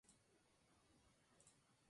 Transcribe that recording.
Esta vez Honduras era anfitriona del certamen.